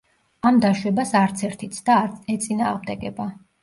ამ დაშვებას არც ერთი ცდა არ ეწინააღმდეგება.